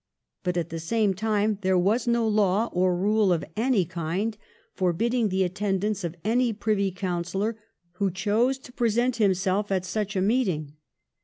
But at the same time there was no law or rule of any kind forbidding the attendance of any Privy Councillor who chose to present himself at such a meeting.